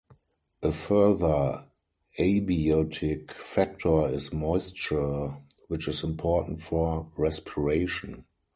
A further abiotic factor is moisture, which is important for respiration.